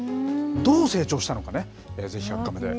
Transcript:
どう成長したのかね、ぜひ１００カメで。